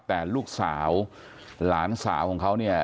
แต่ลูกสาวหลานสาวของเค้า